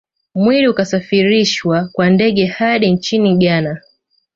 Mwili ukasafirishwa kwa ndege hadi nchini Ghana